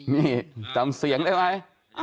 ไม่ยอมตำเสียงได้ไหม